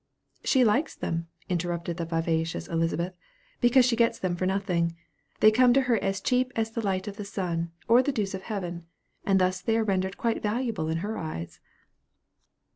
"She likes them," interrupted the vivacious Elizabeth, "because she gets them for nothing. They come to her as cheap as the light of the sun, or the dews of heaven; and thus they are rendered quite as valuable in her eyes."